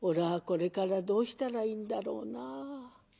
これからどうしたらいいんだろうなあ。